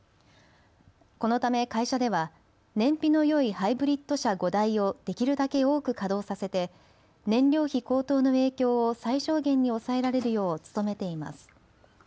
このため会社では燃費のよいハイブリッド車５台をできるだけ多く稼働させて燃料費高騰の影響を最小限に抑えられるよう努めています。